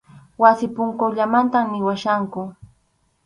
Wasi punkullamanta nimuwachkanku.